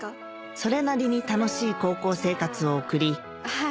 それなりに楽しい高校生活を送りはい。